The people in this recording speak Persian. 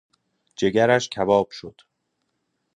جگرش کباب شد